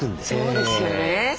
そうですよね。